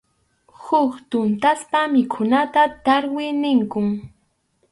Huk tuntaspa mikhunata tarwi ninkum.